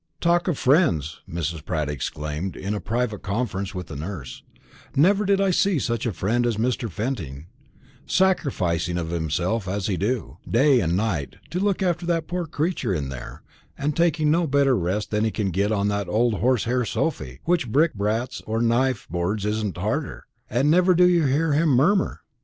"Talk of friends," Mrs. Pratt exclaimed, in a private conference with the nurse; "never did I see such a friend as Mr. Fenting, sacrificing of himself as he do, day and night, to look after that poor creature in there, and taking no better rest than he can get on that old horsehair sofy, which brickbats or knife boards isn't harder, and never do you hear him murmur."